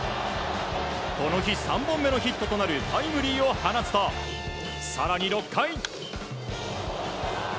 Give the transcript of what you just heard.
この日３本目のヒットとなるタイムリーを放つと更に、６回。